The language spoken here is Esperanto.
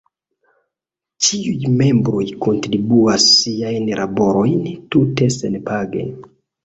Ĉiuj membroj kontribuas siajn laborojn tute senpage.